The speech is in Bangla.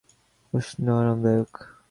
উষ্ণ, আরামদায়ক।